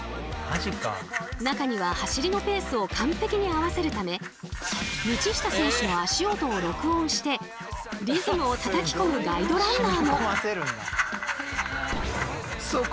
中には走りのペースを完璧に合わせるため道下選手の足音を録音してリズムをたたき込むガイドランナーも。